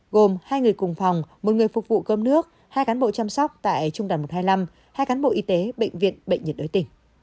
gồm hai người cùng phòng một người phục vụ cơm nước hai cán bộ chăm sóc tại trung đoàn một trăm hai mươi năm hai cán bộ y tế bệnh viện bệnh nhiệt đới tỉnh